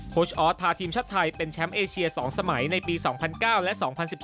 ชออสพาทีมชาติไทยเป็นแชมป์เอเชีย๒สมัยในปี๒๐๐๙และ๒๐๑๘